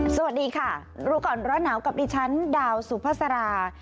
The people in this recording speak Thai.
สวัสดีค่ะรู้ก่อนร้อนหนาวกับดิฉันดาวสุภาษารา